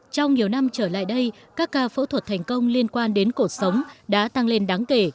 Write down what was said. trong nhiều năm trở lại đây các ca phẫu thuật thành công liên quan đến cuộc sống đã tăng lên đáng kể